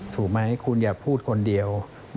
ถูกไหมคุณอย่าพูดคนเดียว